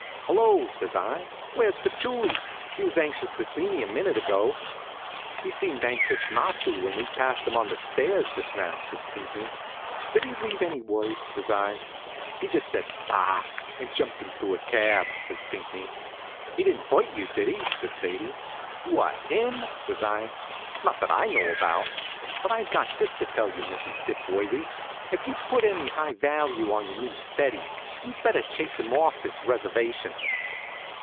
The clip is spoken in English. "Hello!" says I. "Where's Patchouli? He was anxious to see me a minute ago." "He seemed anxious not to, when he passed us on the stairs just now," says Pinckney. "Did he leave any word?" says I. "He just said 'Bah!' and jumped into a cab," says Pinckney. "He didn't hurt you, did he?" says Sadie. "What, him?" says I. "Not that I know about. But I've got this to tell you, Mrs. Dipworthy: if you put any high value on your new steady, you'd better chase him off this reservation."